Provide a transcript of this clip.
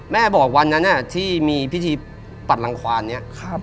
แม่บอกวันนั้นที่มีพิธีปัดรังควานนี้